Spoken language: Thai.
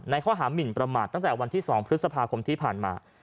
ข้อหามินประมาทตั้งแต่วันที่๒พฤษภาคมที่ผ่านมา